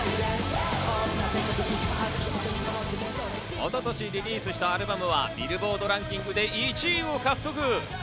一昨年リリースしたアルバムは、ビルボードランキングで１位を獲得。